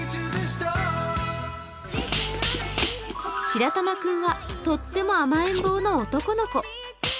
しらたま君はとっても甘えん坊の男の子。